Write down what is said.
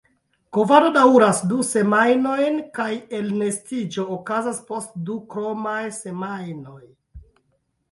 Kovado daŭras du semajnojn kaj elnestiĝo okazas post du kromaj semajnoj.